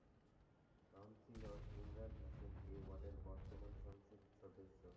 Councillor Imran Hossain এই ওয়ার্ডের বর্তমান সংসদ সদস্য।